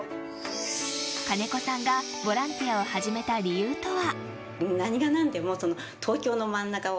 金子さんがボランティアを始めた理由とは。